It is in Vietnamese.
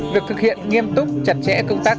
việc thực hiện nghiêm túc chặt chẽ công tác